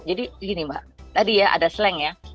jadi begini mbak tadi ya ada slang ya